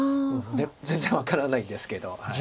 全然分からないですけど。